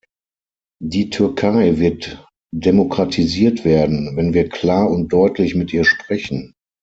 Die Türkei wird demokratisiert werden, wenn wir klar und deutlich mit ihr sprechen.